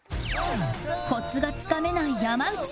コツがつかめない山内